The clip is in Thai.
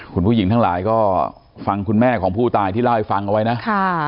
คุณผู้หญิงทั้งหลายก็ฟังคุณแม่ของผู้ตายที่เล่าให้ฟังเอาไว้นะ